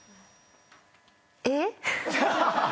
えっ？